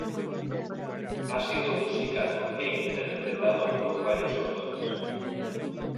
Ha sido musicado e interpretado por varios autores.